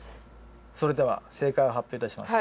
それでは正解を発表いたします。